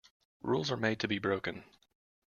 Rules are made to be broken.